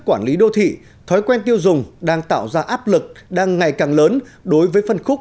quản lý đô thị thói quen tiêu dùng đang tạo ra áp lực đang ngày càng lớn đối với phân khúc